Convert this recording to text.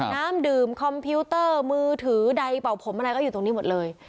น้ำดื่มคอมพิวเตอร์มือถือใดเป่าผมอะไรก็อยู่ตรงนี้หมดเลย